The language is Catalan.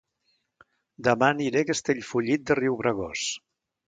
Dema aniré a Castellfollit de Riubregós